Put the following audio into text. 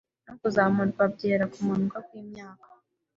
no kuzamurwa byera kumanuka kwimyaka